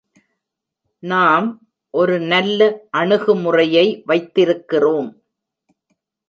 நாம் ஒரு நல்ல அணுகுமுறையை வைத்திருக்கிறோம்.